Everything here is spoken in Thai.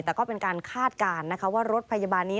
แต่ก็เป็นการคาดการณ์นะคะว่ารถพยาบาลนี้